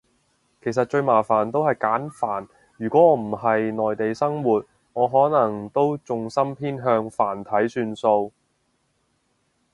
其實最麻煩都係簡繁，如果我唔係内地生活，我可能都重心偏向繁體算數